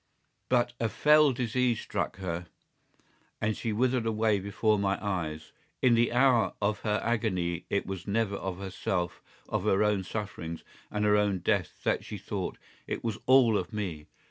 "But a fell disease struck her, and she withered away before my eyes. In the hour of her agony it was never of herself, of her own sufferings and her own death that she thought. It was all of me.